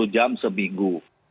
empat puluh jam seminggu